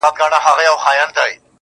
يمه دي غلام سترگي راواړوه~